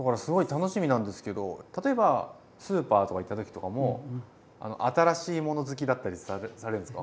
例えばスーパーとか行った時とかも新しいもの好きだったりされるんですか？